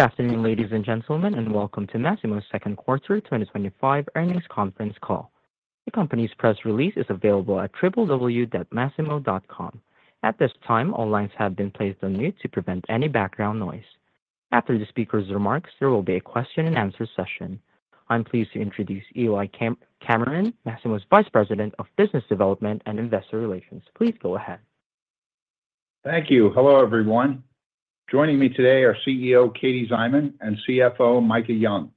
Good afternoon, ladies and gentlemen, and welcome to Masimo's Second Quarter 2025 Earnings Conference Call. The company's press release is available at www.masimo.com. At this time, all lines have been placed on mute to prevent any background noise. After the speakers' remarks, there will be a question-and-answer session. I'm pleased to introduce Eli Kammerman, Masimo's Vice President of Business Development and Investor Relations. Please go ahead. Thank you. Hello, everyone. Joining me today are CEO Katie Szyman and CFO Micah Young.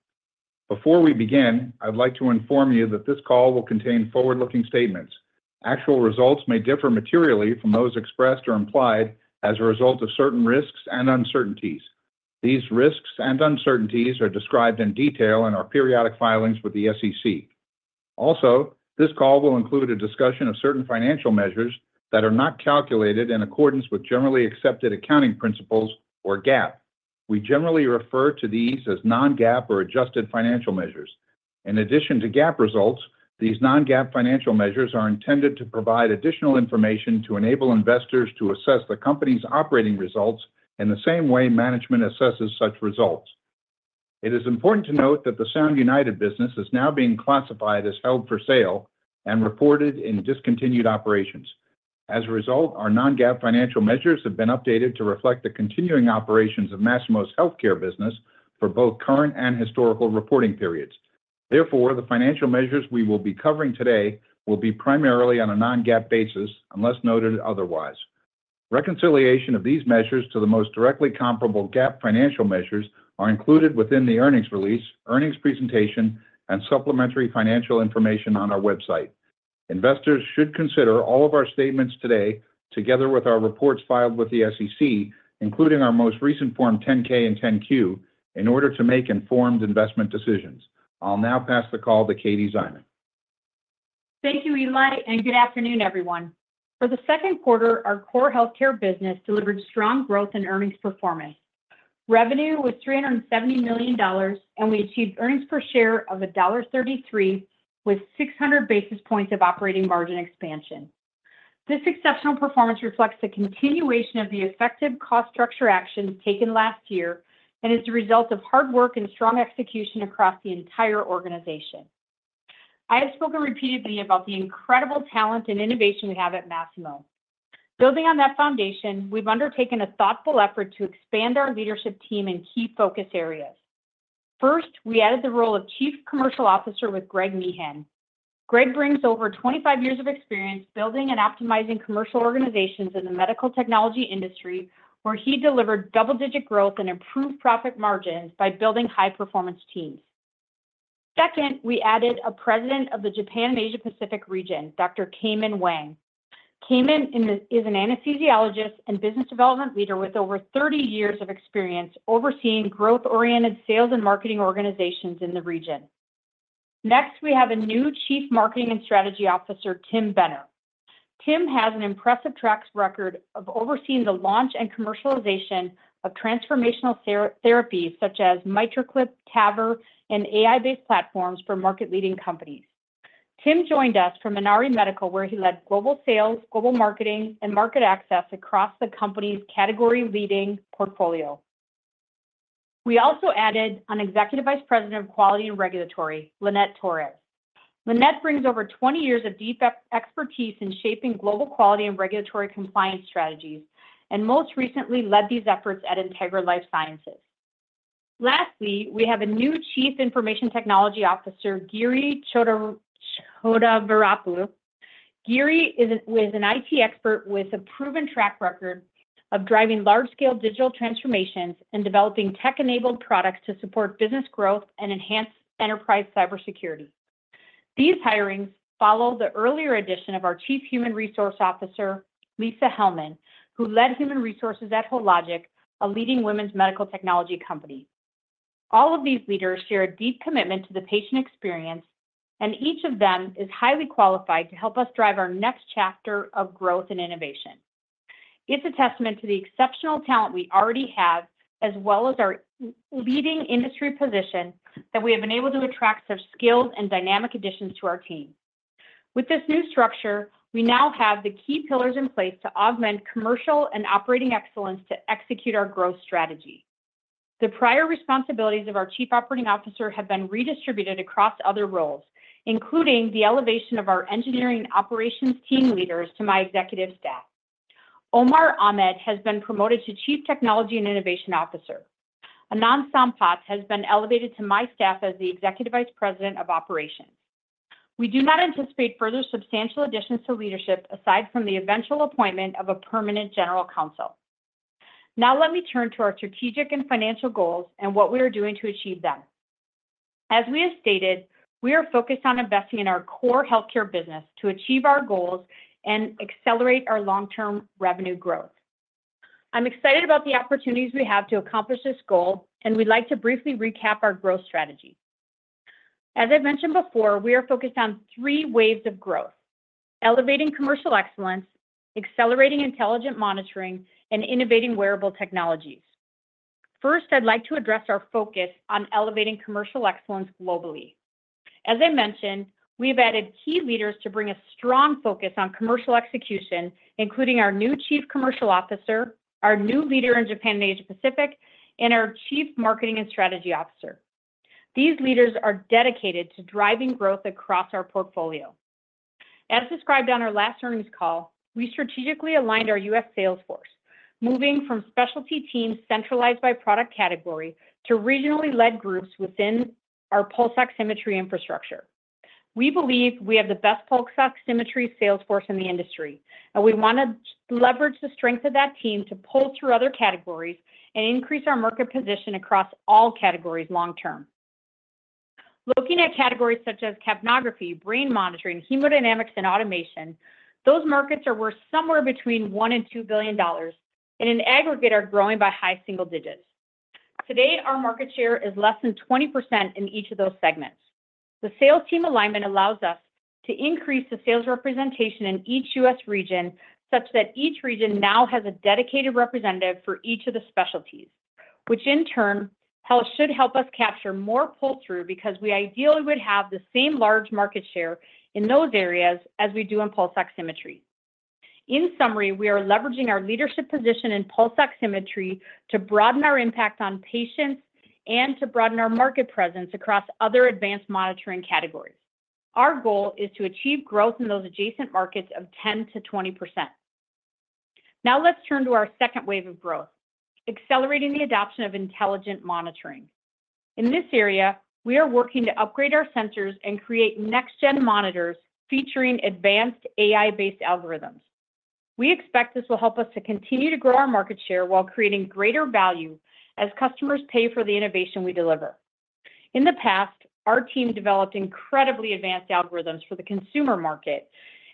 Before we begin, I'd like to inform you that this call will contain forward-looking statements. Actual results may differ materially from those expressed or implied as a result of certain risks and uncertainties. These risks and uncertainties are described in detail in our periodic filings with the SEC. Also, this call will include a discussion of certain financial measures that are not calculated in accordance with generally accepted accounting principles, or GAAP. We generally refer to these as non-GAAP or adjusted financial measures. In addition to GAAP results, these non-GAAP financial measures are intended to provide additional information to enable investors to assess the company's operating results in the same way management assesses such results. It is important to note that the Sound United business is now being classified as held for sale and reported in discontinued operations. As a result, our non-GAAP financial measures have been updated to reflect the continuing operations of Masimo's healthcare business for both current and historical reporting periods. Therefore, the financial measures we will be covering today will be primarily on a non-GAAP basis unless noted otherwise. Reconciliation of these measures to the most directly comparable GAAP financial measures are included within the earnings release, earnings presentation, and supplementary financial information on our website. Investors should consider all of our statements today, together with our reports filed with the SEC, including our most recent Form 10-K and 10-Q, in order to make informed investment decisions. I'll now pass the call to Katie Szyman. Thank you, Eli, and good afternoon, everyone. For the second quarter, our core healthcare business delivered strong growth in earnings performance. Revenue was $370 million, and we achieved earnings per share of $1.33 with 600 basis points of operating margin expansion. This exceptional performance reflects the continuation of the effective cost structure action taken last year and is the result of hard work and strong execution across the entire organization. I have spoken repeatedly about the incredible talent and innovation we have at Masimo. Building on that foundation, we've undertaken a thoughtful effort to expand our leadership team in key focus areas. First, we added the role of Chief Commercial Officer with Greg Meehan. Greg brings over 25 years of experience building and optimizing commercial organizations in the medical technology industry, where he delivered double-digit growth and improved profit margins by building high-performance teams. Second, we added a President of the Japan and Asia Pacific region, [Dr. Kaman] Wang. [Kaman] is an anesthesiologist and business development leader with over 30 years of experience overseeing growth-oriented sales and marketing organizations in the region. Next, we have a new Chief Marketing and Strategy Officer, Tim Benner. Tim has an impressive track record of overseeing the launch and commercialization of transformational therapies such as MitraClip, TAVR, and AI-based platforms for market-leading companies. Tim joined us from Menari Medical, where he led global sales, global marketing, and market access across the company's category-leading portfolio. We also added an Executive Vice President of Quality and Regulatory, Linnette Torres. Linnette brings over 20 years of deep expertise in shaping global quality and regulatory compliance strategies and most recently led these efforts at Integra Life Sciences. Lastly, we have a new Chief Information Technology Officer, Giri Chodavarapu. Giri is an IT expert with a proven track record of driving large-scale digital transformations and developing tech-enabled products to support business growth and enhance enterprise cybersecurity. These hirings follow the earlier addition of our Chief Human Resource Officer, Lisa Hellmann, who led human resources at Hologic, a leading women's medical technology company. All of these leaders share a deep commitment to the patient experience, and each of them is highly qualified to help us drive our next chapter of growth and innovation. It's a testament to the exceptional talent we already have, as well as our leading industry position, that we have been able to attract such skills and dynamic additions to our team. With this new structure, we now have the key pillars in place to augment commercial and operating excellence to execute our growth strategy. The prior responsibilities of our Chief Operating Officer have been redistributed across other roles, including the elevation of our Engineering Operations Team Leaders to my executive staff. Omar Ahmed has been promoted to Chief Technology and Innovation Officer. Anand Sampath has been elevated to my staff as the Executive Vice President of Operations. We do not anticipate further substantial additions to leadership aside from the eventual appointment of a permanent General Counsel. Now, let me turn to our strategic and financial goals and what we are doing to achieve them. As we have stated, we are focused on investing in our core healthcare business to achieve our goals and accelerate our long-term revenue growth. I'm excited about the opportunities we have to accomplish this goal, and we'd like to briefly recap our growth strategy. As I've mentioned before, we are focused on three waves of growth: elevating commercial excellence, accelerating intelligent monitoring, and innovating wearable technologies. First, I'd like to address our focus on elevating commercial excellence globally. As I mentioned, we've added key leaders to bring a strong focus on commercial execution, including our new Chief Commercial Officer, our new Leader in Japan and Asia Pacific, and our Chief Marketing and Strategy Officer. These leaders are dedicated to driving growth across our portfolio. As described on our last earnings call, we strategically aligned our U.S. sales force, moving from specialty teams centralized by product category to regionally led groups within our pulse oximetry infrastructure. We believe we have the best pulse oximetry sales force in the industry, and we want to leverage the strength of that team to pull through other categories and increase our market position across all categories long term. Looking at categories such as capnography, brain monitoring, hemodynamics, and automation, those markets are worth somewhere between $1 billion and $2 billion, and in aggregate, are growing by high single digits. To date, our market share is less than 20% in each of those segments. The sales team alignment allows us to increase the sales representation in each U.S. region, such that each region now has a dedicated representative for each of the specialties, which in turn should help us capture more pull-through because we ideally would have the same large market share in those areas as we do in pulse oximetry. In summary, we are leveraging our leadership position in pulse oximetry to broaden our impact on patients and to broaden our market presence across other advanced monitoring categories. Our goal is to achieve growth in those adjacent markets of 10%-20%. Now, let's turn to our second wave of growth: accelerating the adoption of intelligent monitoring. In this area, we are working to upgrade our sensors and create next-gen monitors featuring advanced AI-based algorithms. We expect this will help us to continue to grow our market share while creating greater value as customers pay for the innovation we deliver. In the past, our team developed incredibly advanced algorithms for the consumer market,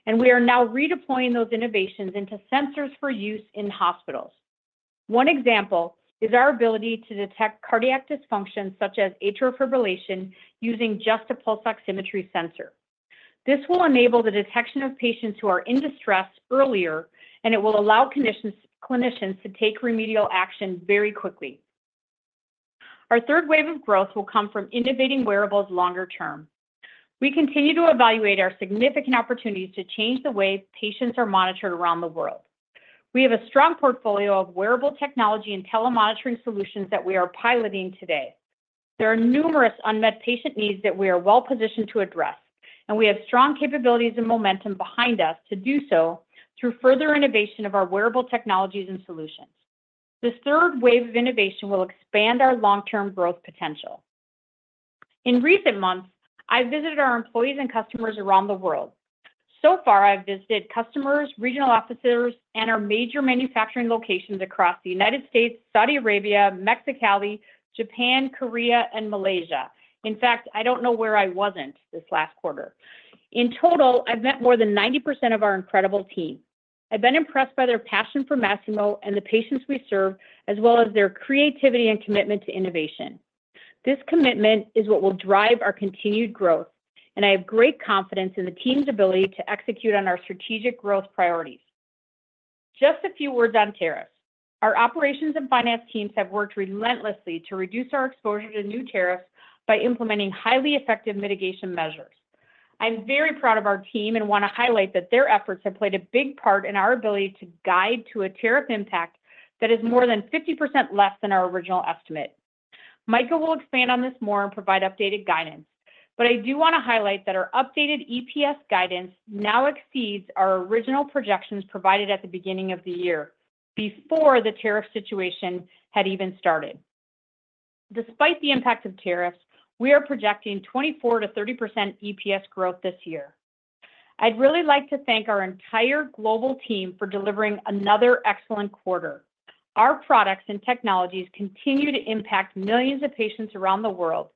and we are now redeploying those innovations into sensors for use in hospitals. One example is our ability to detect cardiac dysfunction such as atrial fibrillation using just a pulse oximetry sensor. This will enable the detection of patients who are in distress earlier, and it will allow clinicians to take remedial action very quickly. Our third wave of growth will come from innovating wearables longer term. We continue to evaluate our significant opportunities to change the way patients are monitored around the world. We have a strong portfolio of wearable technology and telemonitoring solutions that we are piloting today. There are numerous unmet patient needs that we are well positioned to address, and we have strong capabilities and momentum behind us to do so through further innovation of our wearable technologies and solutions. This third wave of innovation will expand our long-term growth potential. In recent months, I visited our employees and customers around the world. So far, I've visited customers, regional offices, and our major manufacturing locations across the United States, Saudi Arabia, Mexicali, Japan, Korea, and Malaysia. In fact, I don't know where I wasn't this last quarter. In total, I've met more than 90% of our incredible team. I've been impressed by their passion for Masimo and the patients we serve, as well as their creativity and commitment to innovation. This commitment is what will drive our continued growth, and I have great confidence in the team's ability to execute on our strategic growth priorities. Just a few words on tariffs. Our operations and finance teams have worked relentlessly to reduce our exposure to new tariffs by implementing highly effective mitigation measures. I'm very proud of our team and want to highlight that their efforts have played a big part in our ability to guide to a tariff impact that is more than 50% less than our original estimate. Micah will expand on this more and provide updated guidance, but I do want to highlight that our updated EPS guidance now exceeds our original projections provided at the beginning of the year, before the tariff situation had even started. Despite the impact of tariffs, we are projecting 24%-30% EPS growth this year. I'd really like to thank our entire global team for delivering another excellent quarter. Our products and technologies continue to impact millions of patients around the world.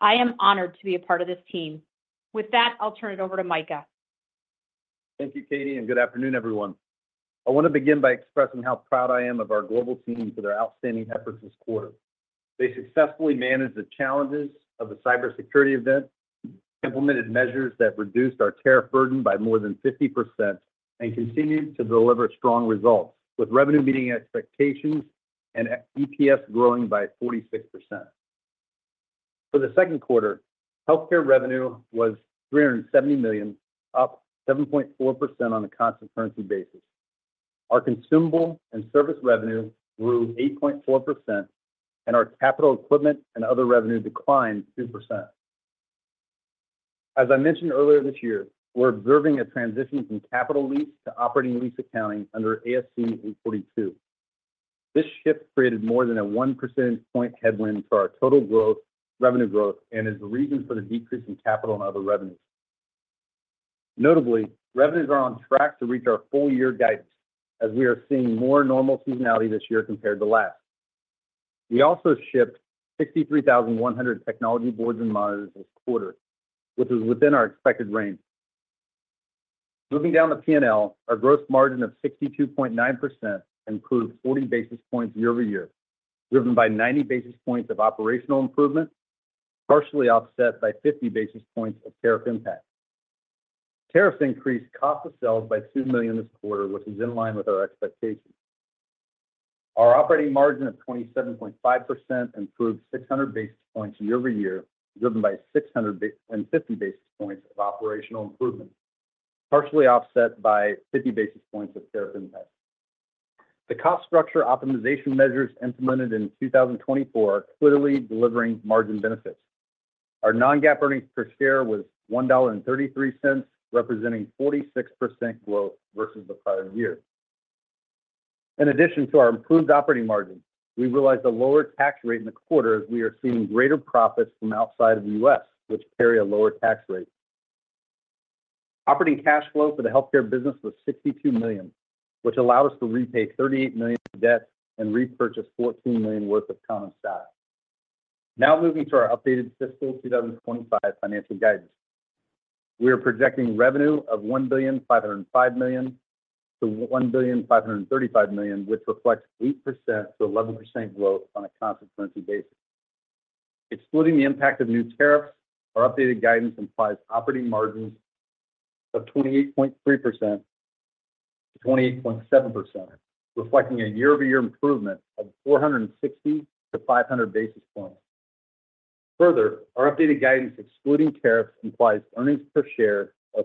I am honored to be a part of this team. With that, I'll turn it over to Micah. Thank you, Katie, and good afternoon, everyone. I want to begin by expressing how proud I am of our global team for their outstanding efforts this quarter. They successfully managed the challenges of the cybersecurity incident, implemented measures that reduced our tariff burden by more than 50%, and continued to deliver strong results with revenue meeting expectations and EPS growing by 46%. For the second quarter, healthcare revenue was $370 million, up 7.4% on a constant currency basis. Our consumable and service revenue grew 8.4%, and our capital equipment and other revenue declined 2%. As I mentioned earlier this year, we're observing a transition from capital lease to operating lease accounting under ASC 842. This shift created more than a 1% point headwind for our total revenue growth and is the reason for the decrease in capital and other revenues. Notably, revenues are on track to reach our full year guidance, as we are seeing more normal seasonality this year compared to last. We also shipped 63,100 technology boards and monitors this quarter, which was within our expected range. Moving down to P&L, our gross margin of 62.9% improved 40 basis points year-over-year, driven by 90 basis points of operational improvement, partially offset by 50 basis points of tariff impact. Tariffs increased cost of sales by $2 million this quarter, which is in line with our expectations. Our operating margin of 27.5% improved 600 basis points year-over-year, driven by 650 basis points of operational improvement, partially offset by 50 basis points of tariff impact. The cost structure optimization measures implemented in 2024 are clearly delivering margin benefits. Our non-GAAP earnings per share was $1.33, representing 46% growth versus the prior year. In addition to our improved operating margins, we realized a lower tax rate in the quarter as we are seeing greater profits from outside of the U.S., which carry a lower tax rate. Operating cash flow for the healthcare business was $62 million, which allowed us to repay $38 million in debt and repurchase $14 million worth of common stock. Now moving to our updated fiscal 2025 financial guidance, we are projecting revenue of $1.505 billion-$1.535 billion, which reflects 8%-11% growth on a constant currency basis. Excluding the impact of new tariffs, our updated guidance implies operating margins of 28.3%-28.7%, reflecting a year-over-year improvement of 460-500 basis points. Further, our updated guidance excluding tariffs implies earnings per share of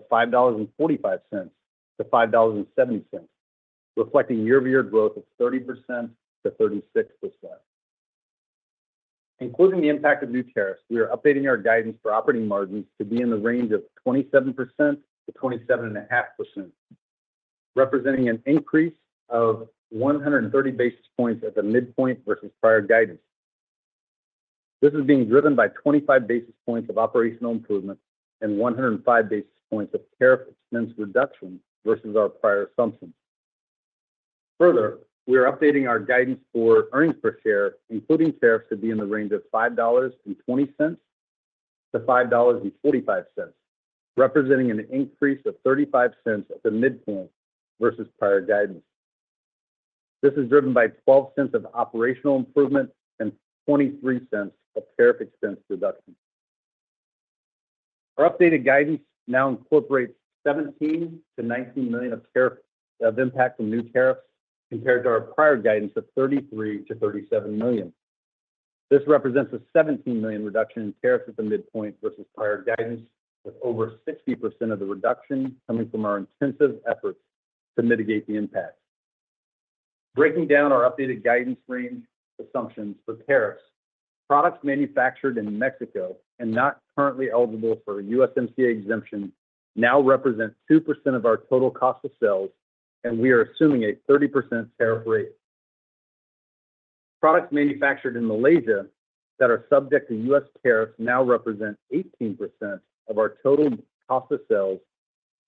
$5.45-$5.70, reflecting year-over-year growth of 30%-36%. Including the impact of new tariffs, we are updating our guidance for operating margins to be in the range of 27%-27.5%, representing an increase of 130 basis points at the midpoint versus prior guidance. This is being driven by 25 basis points of operational improvement and 105 basis points of tariff expense reduction versus our prior assumption. Further, we are updating our guidance for earnings per share, including tariffs to be in the range of $5.20-$5.45, representing an increase of $0.35 at the midpoint versus prior guidance. This is driven by $0.12 of operational improvement and $0.23 of tariff expense reduction. Our updated guidance now incorporates $17 million-$19 million of impact from new tariffs compared to our prior guidance of $33 million- $37 million. This represents a $17 million reduction in tariffs at the midpoint versus prior guidance, with over 60% of the reduction coming from our intensive efforts to mitigate the impact. Breaking down our updated guidance range assumptions for tariffs, products manufactured in Mexico and not currently eligible for a USMCA exemption now represent 2% of our total cost of sales, and we are assuming a 30% tariff rate. Products manufactured in Malaysia that are subject to U.S. tariff now represent 18% of our total cost of sales,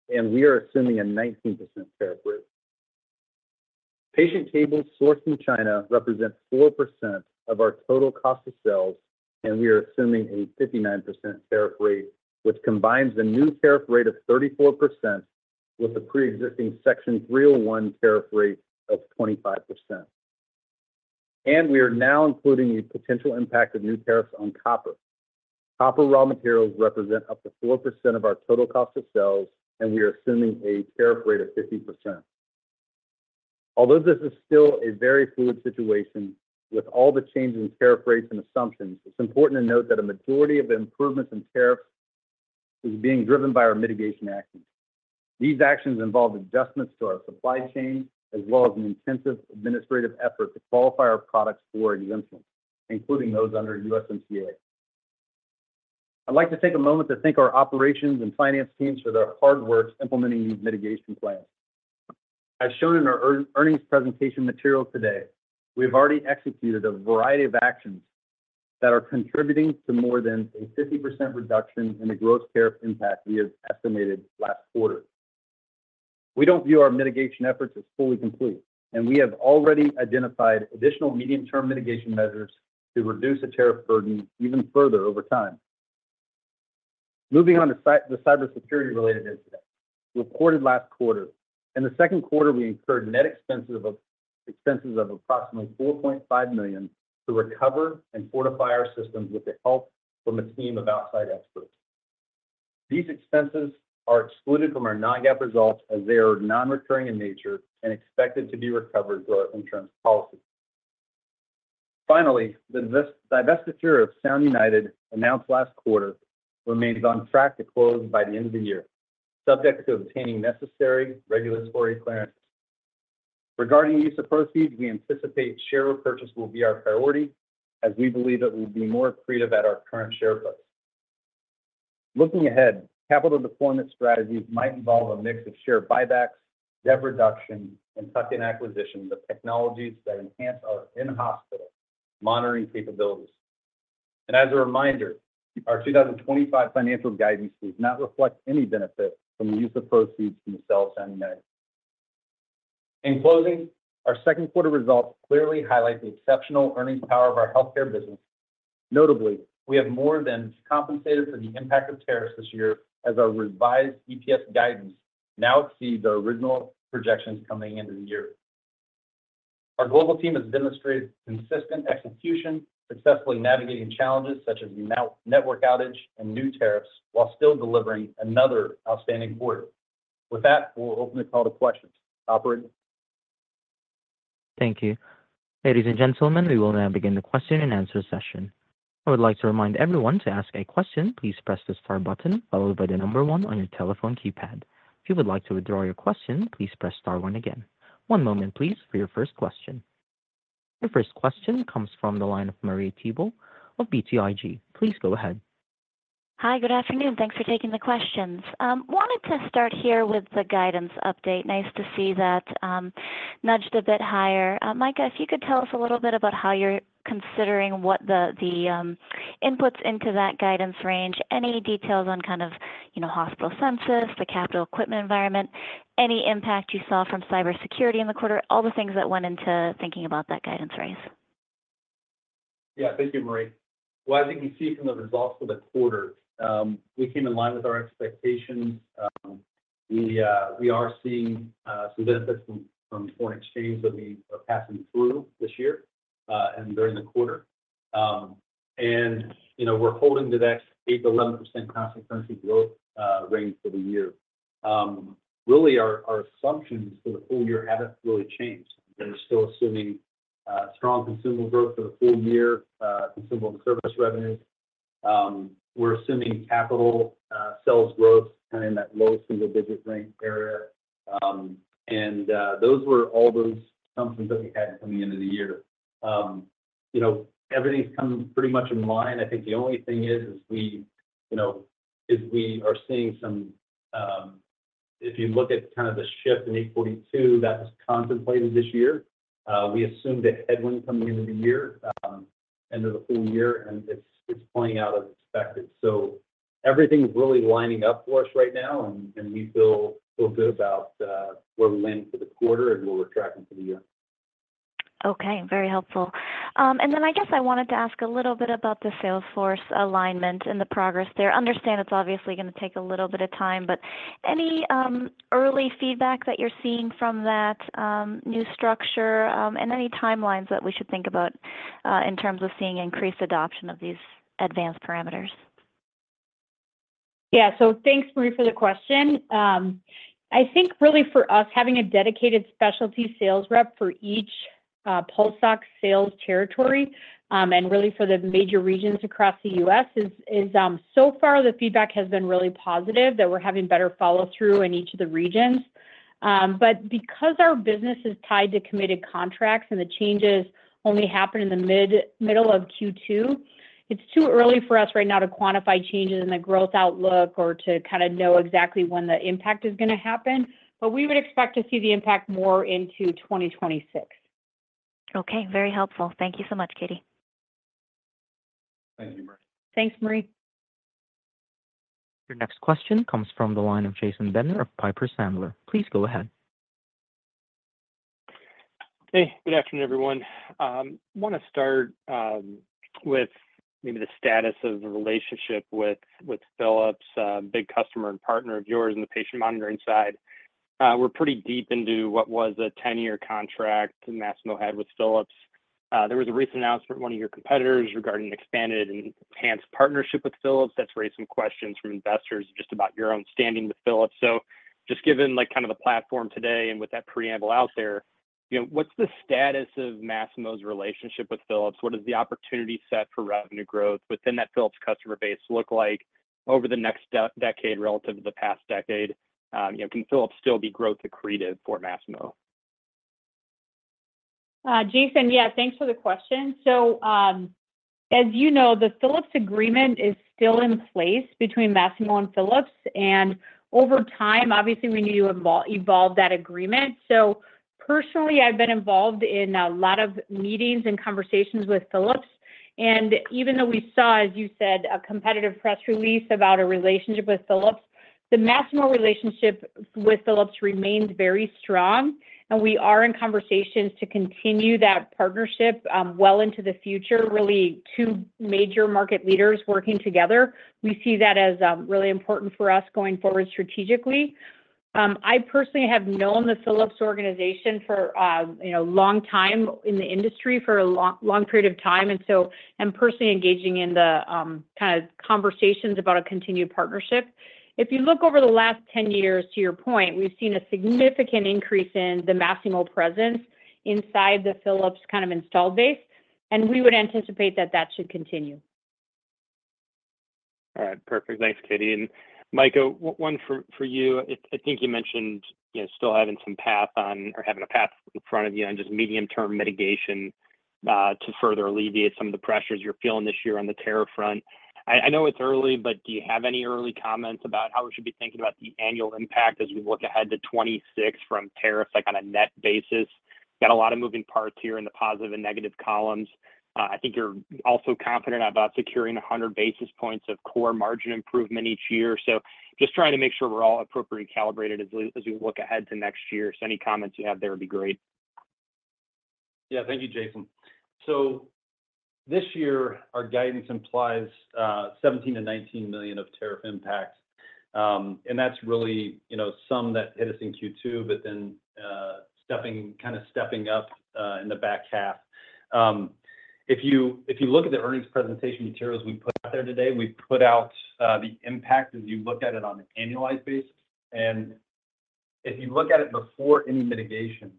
and we are assuming a 19% tariff rate. Patient cables sourced in China represent 4% of our total cost of sales, and we are assuming a 59% tariff rate, which combines the new tariff rate of 34% with the pre-existing Section 301 tariff rate of 25%. We are now including the potential impact of new tariffs on copper. Copper raw materials represent up to 4% of our total cost of sales, and we are assuming a tariff rate of 15%. Although this is still a very fluid situation with all the changing tariff rates and assumptions, it's important to note that a majority of the improvements in tariffs is being driven by our mitigation actions. These actions involve adjustments to our supply chain, as well as an intensive administrative effort to qualify our products for exemption, including those under USMCA. I'd like to take a moment to thank our Operations and Finance teams for the hard work implementing these mitigation plans. As shown in our earnings presentation material today, we've already executed a variety of actions that are contributing to more than a 50% reduction in the gross tariff impact we have estimated last quarter. We don't view our mitigation efforts as fully complete, and we have already identified additional medium-term mitigation measures to reduce the tariff burden even further over time. Moving on to the cybersecurity-related incident reported last quarter, in the second quarter, we incurred net expenses of approximately $4.5 million to recover and fortify our systems with the help from a team of outside experts. These expenses are excluded from our non-GAAP results as they are non-returning in nature and expected to be recovered through our insurance policy. Finally, the divestiture of Sound United announced last quarter remains on track to close by the end of the year, subject to obtaining necessary regulatory clearance. Regarding use of proceeds, we anticipate share repurchase will be our priority, as we believe it will be more accretive at our current share price. Looking ahead, capital deployment strategies might involve a mix of share buybacks, debt reduction, and tuck-in acquisitions of technologies that enhance our in-hospital monitoring capabilities. As a reminder, our 2025 financial guidance does not reflect any benefit from the use of proceeds from the sale of Sound United. In closing, our second quarter results clearly highlight the exceptional earnings power of our healthcare business. Notably, we have more than compensated for the impact of tariffs this year, as our revised EPS guidance now exceeds our original projections coming into the year. Our global team has demonstrated consistent execution, successfully navigating challenges such as the network outage and new tariffs while still delivering another outstanding quarter. With that, we'll open the call to questions. Operator? Thank you. Ladies and gentlemen, we will now begin the question-and-answer session. I would like to remind everyone to ask a question. Please press the star button followed by the number one on your telephone keypad. If you would like to withdraw your question, please press star one again. One moment, please, for your first question. Your first question comes from the line of Marie Thibault of BTIG. Please go ahead. Hi, good afternoon. Thanks for taking the questions. Wanted to start here with the guidance update. Nice to see that nudged a bit higher. Micah, if you could tell us a little bit about how you're considering what the inputs into that guidance range, any details on kind of, you know, hospital census, the capital equipment environment, any impact you saw from cybersecurity in the quarter, all the things that went into thinking about that guidance raise. Thank you, Marie. As you can see from the results for the quarter, we came in line with our expectations. We are seeing some benefits from foreign exchange that we are passing through this year and during the quarter. We're holding the next 8%-11% constant currency growth range for the year. Really, our assumptions for the full year haven't really changed. We're still assuming strong consumable growth for the full year, consumable service revenue. We're assuming capital sales growth, kind of in that low single digit range. Those were all those assumptions that we had coming into the end of the year. Everything's come pretty much in line. I think the only thing is, if you look at the kind of the shift in 842 that was contemplated this year, we assumed a headwind coming into the year, end of the full year, and it's playing out as expected. Everything's really lining up for us right now, and we feel good about where we went this quarter and will look forward to the end. Okay, very helpful. I wanted to ask a little bit about the sales force alignment and the progress there. I understand it's obviously going to take a little bit of time, but any early feedback that you're seeing from that new structure and any timelines that we should think about in terms of seeing increased adoption of these advanced parameters? Yeah, so thanks, Marie, for the question. I think really for us, having a dedicated specialty sales rep for each pulse ox sales territory and really for the major regions across the U.S. is, so far, the feedback has been really positive that we're having better follow-through in each of the regions. Because our business is tied to committed contracts and the changes only happen in the middle of Q2, it's too early for us right now to quantify changes in the growth outlook or to kind of know exactly when the impact is going to happen. We would expect to see the impact more into 2026. Okay, very helpful. Thank you so much, Katie. Thank you, Marie. Thanks, Marie. Your next question comes from the line of Jason Bednar of Piper Sandler. Please go ahead. Hey, good afternoon, everyone. I want to start with maybe the status of the relationship with Philips, a big customer and partner of yours in the patient monitoring side. We're pretty deep into what was a 10-year contract Masimo had with Philips. There was a recent announcement from one of your competitors regarding an expanded and enhanced partnership with Philips that's raised some questions from investors just about your own standing with Philips. Just given like kind of the platform today and with that preamble out there, you know, what's the status of Masimo's relationship with Philips? What is the opportunity set for revenue growth within that Philips customer base look like over the next decade relative to the past decade? You know, can Philips still be growth accretive for Masimo? Jason, yeah, thanks for the question. As you know, the Philips agreement is still in place between Masimo and Philips. Over time, obviously, we need to evolve that agreement. Personally, I've been involved in a lot of meetings and conversations with Philips. Even though we saw, as you said, a competitive press release about our relationship with Philips, the Masimo relationship with Philips remains very strong. We are in conversations to continue that partnership well into the future, really two major market leaders working together. We see that as really important for us going forward strategically. I personally have known the Philips organization for a long time in the industry for a long period of time. I'm personally engaging in the kind of conversations about a continued partnership. If you look over the last 10 years, to your point, we've seen a significant increase in the Masimo presence inside the Philips kind of installed base. We would anticipate that that should continue. All right, perfect. Thanks, Katie. Micah, one for you. I think you mentioned, you know, still having some path on or having a path in front of you and just medium-term mitigation to further alleviate some of the pressures you're feeling this year on the tariff front. I know it's early, but do you have any early comments about how we should be thinking about the annual impact as we look ahead to 2026 from tariff, like on a net basis? Got a lot of moving parts here in the positive and negative columns. I think you're also confident about securing 100 basis points of core margin improvement each year. Just trying to make sure we're all appropriately calibrated as we look ahead to next year. Any comments you have there would be great. Yeah, thank you, Jason. This year, our guidance implies $17 million-$19 million of tariff impact. That's really, you know, some that hit us in Q2, but then kind of stepping up in the back half. If you look at the earnings presentation materials we put out there today, we put out the impact as you look at it on an annualized basis. If you look at it before any mitigation,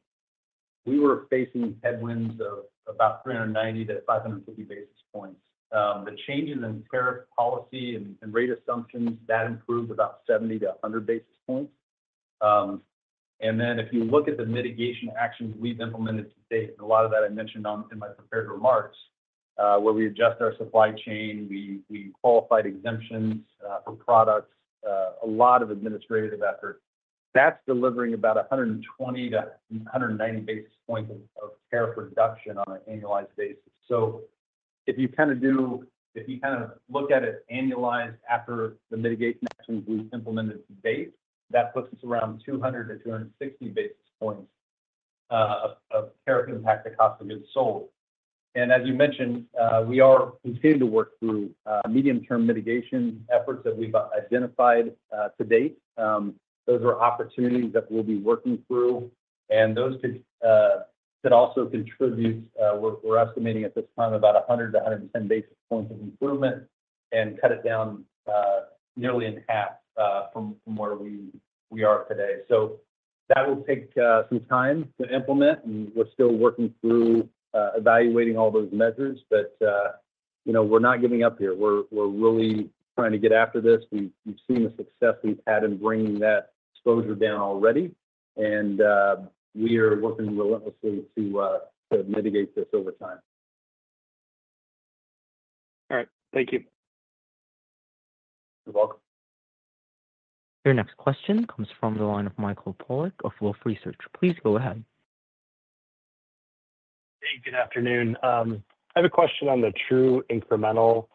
we were facing headwinds of about 390-[500] basis points. The change in the tariff policy and rate assumptions improved about 70-100 basis points. If you look at the mitigation actions we've implemented to date, a lot of that I mentioned in my prepared remarks, where we adjust our supply chain, we qualified exemptions for products, a lot of administrative effort. That's delivering about 120-190 basis points of tariff reduction on an annualized basis. If you kind of look at it annualized after the mitigation actions we've implemented to date, that puts us around 200-260 basis points of tariff impact to cost of goods sold. As you mentioned, we are continuing to work through medium-term mitigation efforts that we've identified to date. Those are opportunities that we'll be working through. Those could also contribute, we're estimating at this time, about 100-110 basis points of improvement and cut it down nearly in half from where we are today. That will take some time to implement, and we're still working through evaluating all those measures. You know, we're not giving up here. We're really trying to get after this. We've seen the success we've had in bringing that exposure down already. We are working relentlessly to mitigate this over time. All right, thank you. You're welcome. Your next question comes from the line of Michael Polark of Wolfe Research. Please go ahead. Hey, good afternoon. I have a question on the true incremental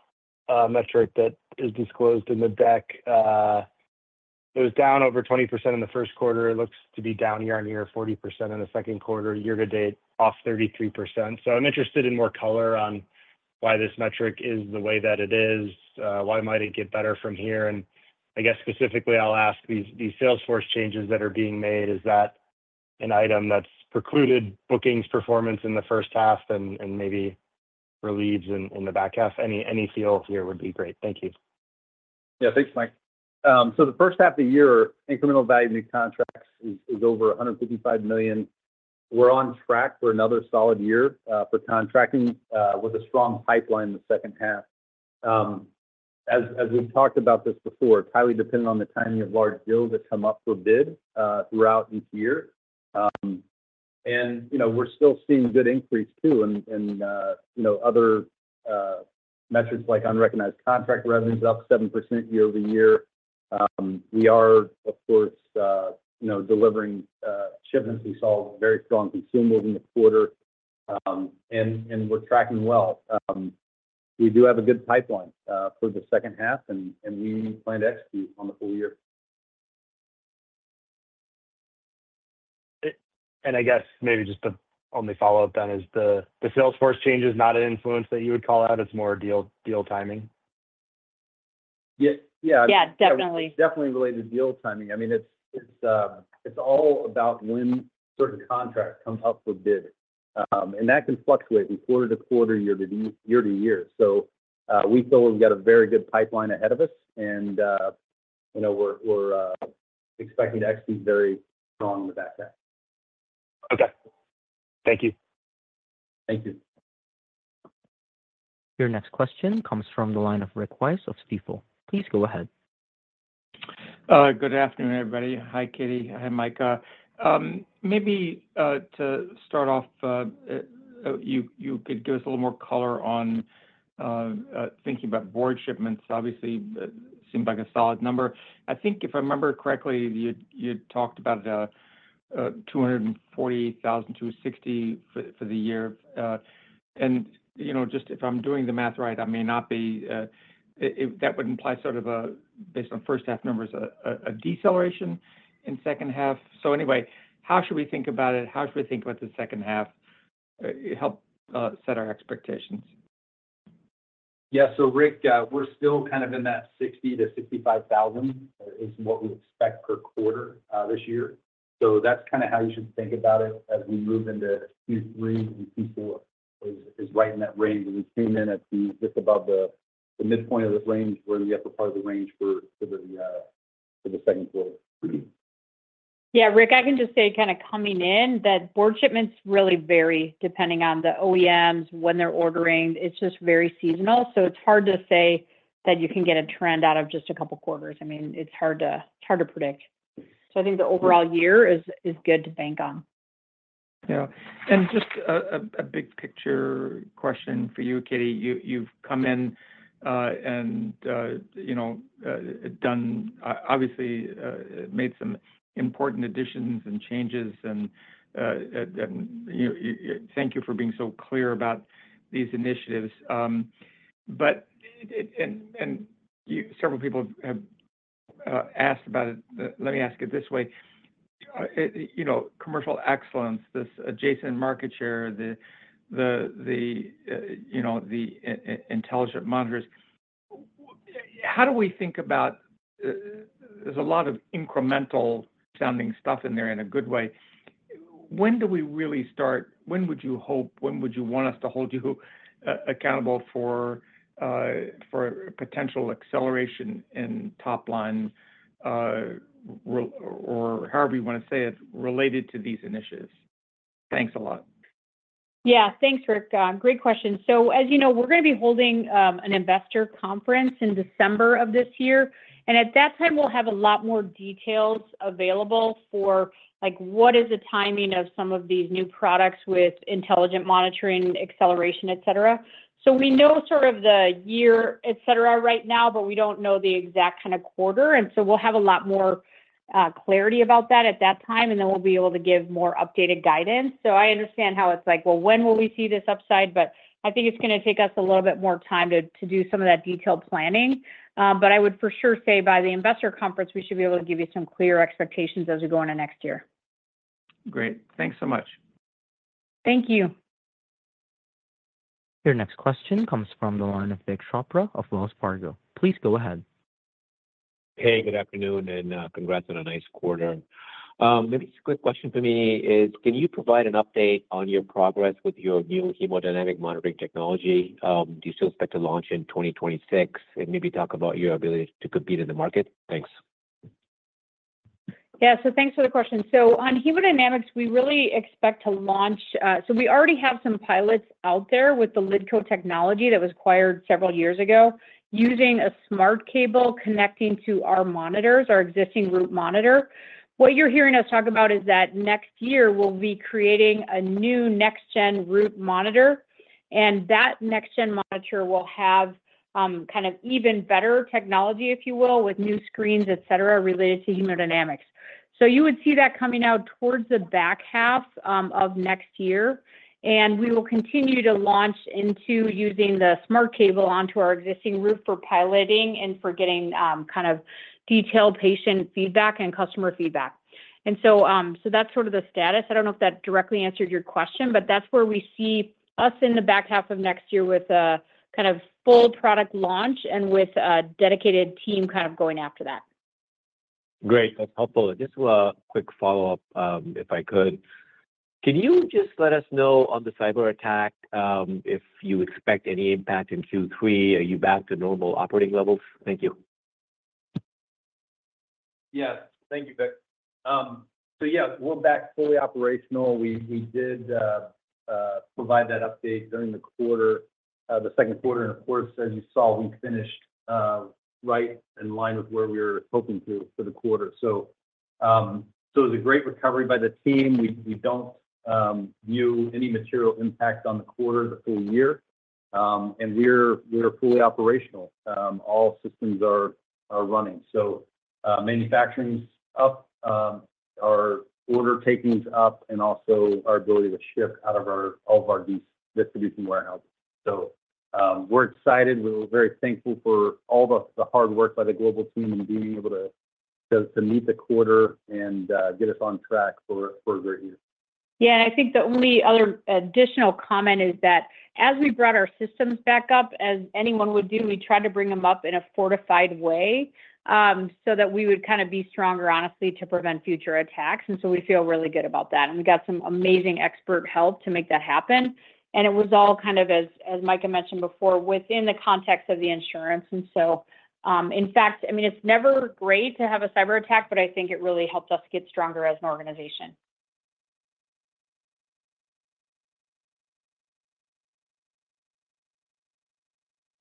metric that is disclosed in the deck. It was down over 20% in the first quarter. It looks to be down year on year, 40% in the second quarter. Year-to-date, off 33%. I'm interested in more color on why this metric is the way that it is. Why might it get better from here? I guess specifically, I'll ask these sales force changes that are being made, is that an item that's precluded bookings performance in the first half and maybe relieves in the back half? Any feel here would be great. Thank you. Yeah, thanks, Mike. The first half of the year, incremental value of new contracts is over $155 million. We're on track for another solid year for contracting with a strong pipeline in the second half. As we've talked about this before, it's highly dependent on the timing of large deals that come up for bid throughout each year. We're still seeing good increase too. Other metrics like unrecognized contract revenue is up 7% year-over-year. We are, of course, delivering shipments we sold, very strong consumer leading the quarter, and we're tracking well. We do have a good pipeline for the second half, and we plan to execute on the full year. I guess maybe just the only follow-up then is the sales force changes not an influence that you would call out. It's more deal timing. Yeah, yeah. Yeah, definitely. It's definitely related to deal timing. I mean, it's all about when certain contracts come up for bid. That can fluctuate from quarter to quarter, year to year. We feel we've got a very good pipeline ahead of us, and we're expecting to execute very strong in the back half. Okay, thank you. Thank you. Your next question comes from the line of Rick Wise of Stifel. Please go ahead. Good afternoon, everybody. Hi, Katie. Hi, Micah. Maybe to start off, you could give us a little more color on thinking about Driver shipments. Obviously, it seems like a solid number. I think if I remember correctly, you talked about $248,000-$260,000 for the year. And you know, just if I'm doing the math right, I may not be, that would imply, based on first half numbers, a deceleration in the second half. How should we think about it? How should we think about the second half to help set our expectations? Yeah, Rick, we're still kind of in that $60,000-$65,000 is what we expect per quarter this year. That's kind of how you should think about it as we move into Q3 and Q4. It's right in that range. We came in at just above the midpoint of the range where we have to call the range for the second quarter. Yeah, Rick, I can just say coming in that Driver shipments really vary depending on the OEMs, when they're ordering. It's just very seasonal. It's hard to say that you can get a trend out of just a couple of quarters. I mean, it's hard to predict. I think the overall year is good to bank on. Yeah. Just a big picture question for you, Katie. You've come in and, you know, done, obviously, made some important additions and changes. Thank you for being so clear about these initiatives. Several people have asked about it. Let me ask it this way. You know, commercial excellence, this adjacent market share, the intelligent monitors, how do we think about, there's a lot of incremental sounding stuff in there in a good way. When do we really start? When would you hope, when would you want us to hold you accountable for a potential acceleration in top line or however you want to say it related to these initiatives? Thanks a lot. Yeah, thanks, Rick. Great question. As you know, we're going to be holding an investor conference in December of this year. At that time, we'll have a lot more details available for what is the timing of some of these new products with intelligent monitoring acceleration, etc. We know sort of the year, etc. right now, but we don't know the exact kind of quarter. We'll have a lot more clarity about that at that time, and then we'll be able to give more updated guidance. I understand how it's like, well, when will we see this upside? I think it's going to take us a little bit more time to do some of that detailed planning. I would for sure say by the investor conference, we should be able to give you some clear expectations as we go into next year. Great. Thanks so much. Thank you. Your next question comes from the line of Vik Chopra of Wells Fargo. Please go ahead. Hey, good afternoon, and congrats on a nice quarter. Maybe a quick question for me is, can you provide an update on your progress with your new hemodynamic monitoring technology? Do you still expect to launch in 2026 and maybe talk about your ability to compete in the market? Thanks. Yeah, thanks for the question. On hemodynamics, we really expect to launch, we already have some pilots out there with the LiDCO technology that was acquired several years ago using a smart cable connecting to our monitors, our existing Root monitor. What you're hearing us talk about is that next year, we'll be creating a new next-gen Root monitor. That next-gen monitor will have even better technology, if you will, with new screens, etc., related to hemodynamics. You would see that coming out towards the back half of next year. We will continue to launch into using the smart cable onto our existing Root for piloting and for getting detailed patient feedback and customer feedback. That's sort of the status. I don't know if that directly answered your question, but that's where we see us in the back half of next year with a full product launch and with a dedicated team going after that. Great. That's helpful. Just a quick follow-up, if I could. Can you just let us know on the cybersecurity incident if you expect any impact in Q3? Are you back to normal operating levels? Thank you. Thank you, Vic. We're back fully operational. We did provide that update during the quarter, the second quarter. As you saw, we finished right in line with where we were hoping to for the quarter. It was a great recovery by the team. We don't view any material impact on the quarter or the full year. We're fully operational. All systems are running. Manufacturing's up, our order taking's up, and also our ability to ship out of all of our distribution warehouses. We're excited. We're very thankful for all the hard work by the global team and being able to meet the quarter and get us on track for a great year. I think the only other additional comment is that as we brought our systems back up, as anyone would do, we try to bring them up in a fortified way so that we would kind of be stronger, honestly, to prevent future attacks. We feel really good about that. We got some amazing expert help to make that happen. It was all, as Micah mentioned before, within the context of the insurance. In fact, I mean, it's never great to have a cyber attack, but I think it really helped us get stronger as an organization.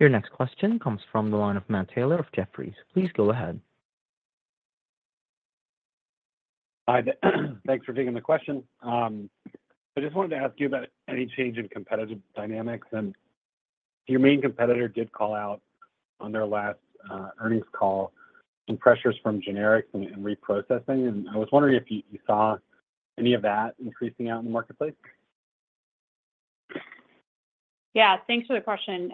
Your next question comes from the line of Matt Taylor of Jefferies. Please go ahead. Hi, thanks for taking the question. I just wanted to ask you about any change in competitive dynamics. Your main competitor did call out on their last earnings call some pressures from generics and reprocessing. I was wondering if you saw any of that increasing out in the marketplace. Thank you for the question.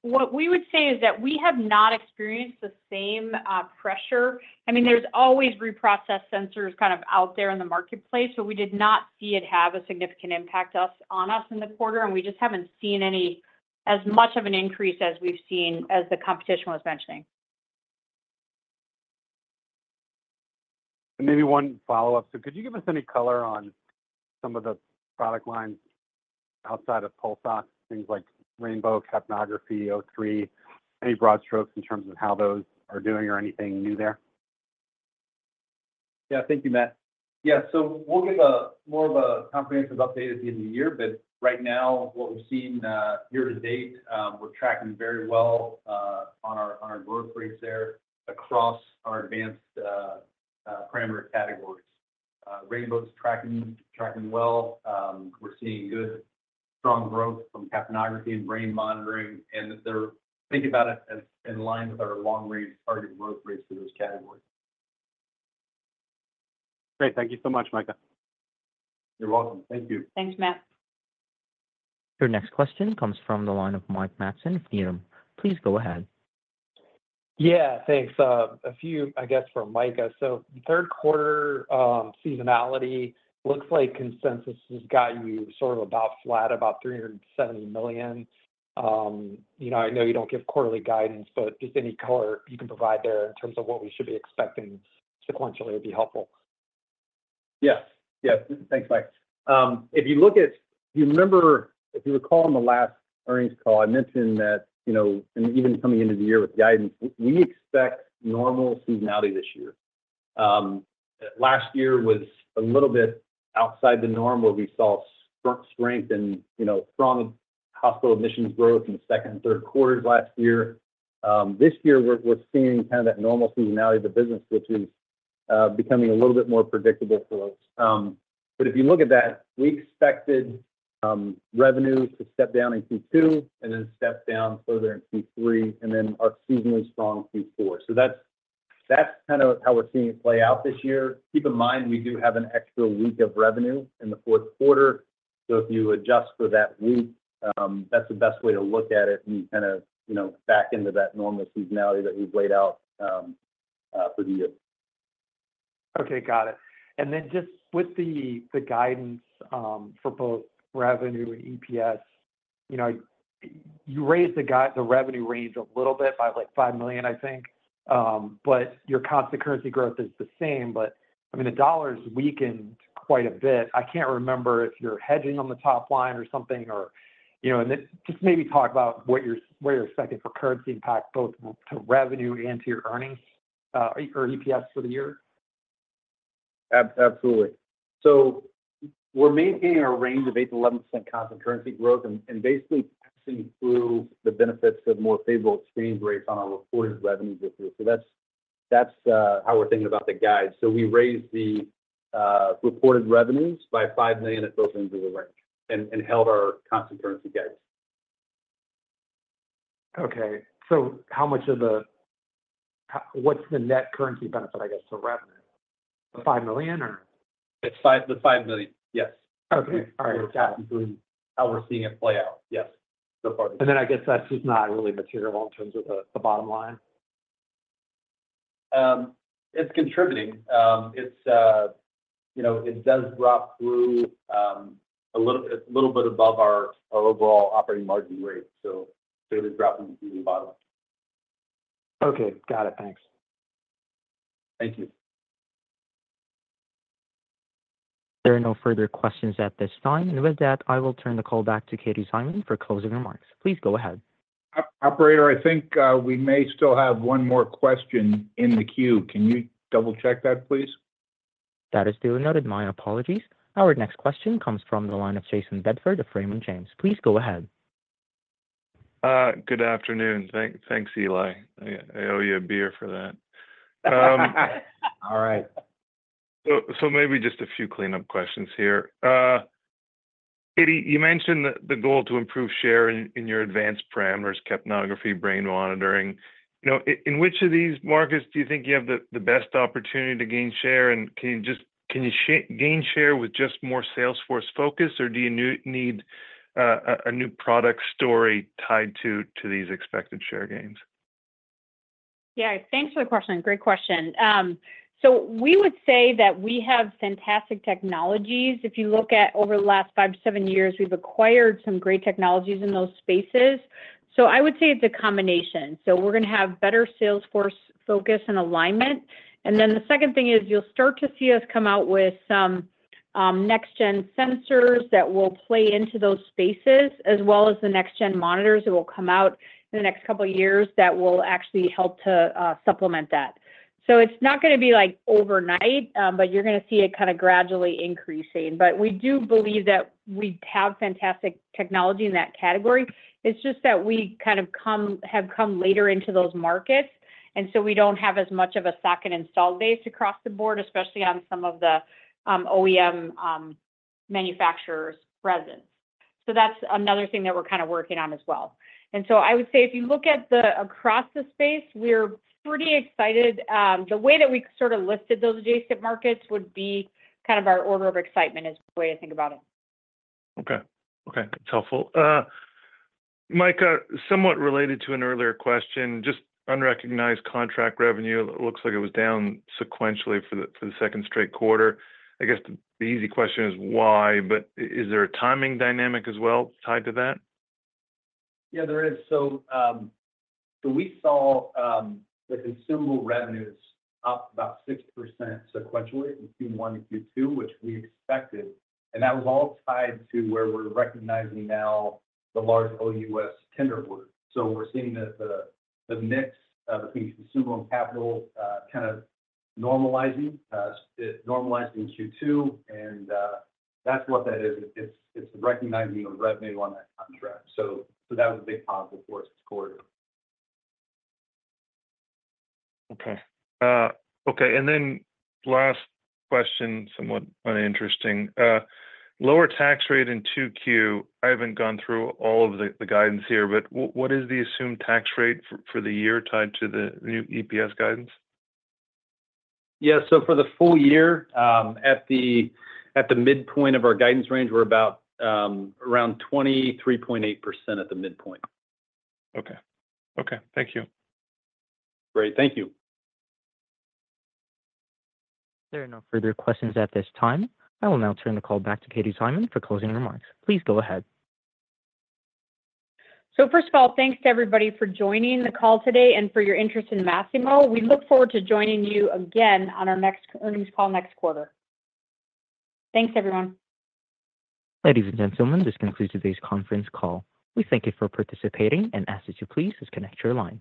What we would say is that we have not experienced the same pressure. I mean, there's always reprocessed sensors out there in the marketplace, but we did not see it have a significant impact on us in the quarter. We just haven't seen as much of an increase as we've seen as the competition was mentioning. Could you give us any color on some of the product lines outside of pulse ox, things like Rainbow consumables, capnography, O3, any broad strokes in terms of how those are doing or anything new there? Thank you, Matt. We'll give a more comprehensive update at the end of the year. Right now, what we've seen year to date, we're tracking very well on our growth rates there across our advanced parameter categories. Rainbow's tracking well. We're seeing good, strong growth from capnography and brain monitoring. They're thinking about it in line with our long-range target growth rates for those categories. Great. Thank you so much, Micah. You're welcome. Thank you. Thanks, Matt. Your next question comes from the line of Mike Matson of Needham. Please go ahead. Yeah, thanks. A few, I guess, for Micah. The third quarter seasonality looks like consensus has gotten sort of about flat, about $370 million. You know, I know you don't give quarterly guidance, but just any color you can provide there in terms of what we should be expecting sequentially would be helpful. Yes. Yes. Thanks, Mike. If you look at, if you remember, if you recall on the last earnings call, I mentioned that, you know, and even coming into the year with guidance, we expect normal seasonality this year. Last year was a little bit outside the norm where we saw strong strength and, you know, strong hospital admissions growth in the second and third quarters last year. This year, we're seeing kind of that normal seasonality of the business, which is becoming a little bit more predictable for us. If you look at that, we expected revenue to step down in Q2 and then step down further in Q3 and then a seasonally strong Q4. That's kind of how we're seeing it play out this year. Keep in mind, you do have an extra week of revenue in the fourth quarter. If you adjust for that week, that's the best way to look at it and kind of, you know, back into that normal seasonality that we've laid out for the year. Okay, got it. With the guidance for both revenue and EPS, you raised the revenue range a little bit by $5 million, I think. Your constant currency growth is the same. The dollar's weakened quite a bit. I can't remember if you're hedging on the top line or something, or maybe talk about what you're expecting for currency impact, both to revenue and to your earnings or EPS for the year. Absolutely. We're maintaining our range of 8%-11% constant currency growth and basically passing through the benefits of more favorable exchange rates on our reported revenues this year. That's how we're thinking about the guide. We raised the reported revenues by $5 million, that goes into the rent, and held our constant currency guidance. Okay. How much of the, what's the net currency benefit to revenue? The $5 million, or? It's the $5 million, yes. Okay. All right. That's basically how we're seeing it play out, yes. I guess that's just not really material in terms of the bottom line. It's contributing. It does drop through a little bit above our overall operating margin rate, so it is dropping through the bottom line. Okay. Got it. Thanks. Thank you. There are no further questions at this time. With that, I will turn the call back to Katie Szyman for closing remarks. Please go ahead. Operator, I think we may still have one more question in the queue. Can you double-check that, please? That is duly noted. My apologies. Our next question comes from the line of Jayson Bedford of Raymond James. Please go ahead. Good afternoon. Thanks, Eli. I owe you a beer for that. All right. Maybe just a few clean-up questions here. Katie, you mentioned the goal to improve share in your advanced parameters, capnography, brain monitoring. In which of these markets do you think you have the best opportunity to gain share? Can you gain share with just more salesforce focus, or do you need a new product story tied to these expected share gains? Yeah, thanks for the question. Great question. We would say that we have fantastic technologies. If you look at over the last five to seven years, we've acquired some great technologies in those spaces. I would say it's a combination. We're going to have better Salesforce focus and alignment. The second thing is you'll start to see us come out with some next-gen sensors that will play into those spaces, as well as the next-gen monitors that will come out in the next couple of years that will actually help to supplement that. It's not going to be like overnight, but you're going to see it kind of gradually increasing. We do believe that we have fantastic technology in that category. It's just that we kind of have come later into those markets, and we don't have as much of a stock and install base across the board, especially on some of the OEM manufacturers' presence. That's another thing that we're kind of working on as well. I would say if you look at the across the space, we're pretty excited. The way that we sort of listed those adjacent markets would be kind of our order of excitement is the way to think about it. Okay. Okay. That's helpful. Micah, somewhat related to an earlier question, just unrecognized contract revenue. It looks like it was down sequentially for the second straight quarter. I guess the easy question is why, but is there a timing dynamic as well tied to that? Yeah, there is. We saw the consumable revenues up about 6% sequentially from Q1 to Q2, which we expected. That was all tied to where we're recognizing now the large OUS tender work. We're seeing that the mix of the consumable and capital kind of normalizing in Q2. That's what that is. It's the recognizing of revenue on that track. That was a big problem for us this quarter. Okay. Okay. Last question, somewhat uninteresting. Lower tax rate in 2Q. I haven't gone through all of the guidance here, but what is the assumed tax rate for the year tied to the new EPS guidance? For the full year, at the midpoint of our guidance range, we're about 23.8% at the midpoint. Okay. Thank you. Great. Thank you. There are no further questions at this time. I will now turn the call back to Katie Szyman for closing remarks. Please go ahead. Thank you to everybody for joining the call today and for your interest in Masimo. We look forward to joining you again on our next earnings call next quarter. Thanks, everyone. Ladies and gentlemen, this concludes today's conference call. We thank you for participating and ask that you please disconnect your lines.